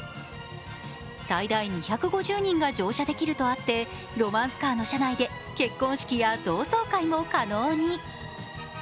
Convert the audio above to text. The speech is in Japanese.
最大２５０人が乗車できるとあってロマンスカーの車内で結婚式や同窓会も可能に。